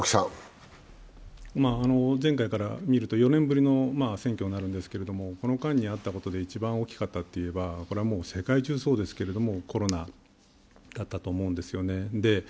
前回から見ると４年ぶりの選挙になるんですけれども、この間にあったことで、一番大きかったことといえば、世界中そうですけど、コロナだったと思うんですよね。